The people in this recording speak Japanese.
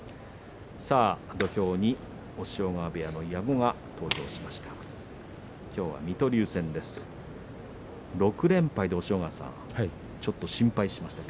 土俵に押尾川部屋の矢後が登場しました。